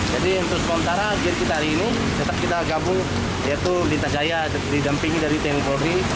jadi untuk sementara kita hari ini tetap kita gabung yaitu lintas jaya didampingi dari tni dan polri